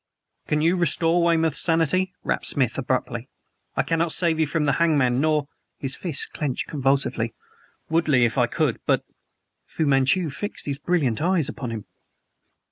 "Can you restore Weymouth's sanity?" rapped Smith abruptly. "I cannot save you from the hangman, nor" his fists clenched convulsively "would I if I could; but " Fu Manchu fixed his brilliant eyes upon him.